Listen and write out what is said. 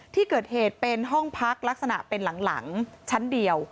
ที่เกิดเหตุเป็นห้องพักลักษณะเป็นหลังชั้นเดียว